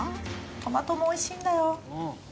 トマトもおいしいんだよ。